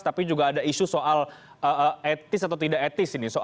tapi juga ada isu soal etis atau tidak etis ini